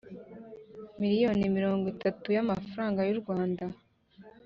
miriyoni mirongo itanu y’amafaranga y’u Rwanda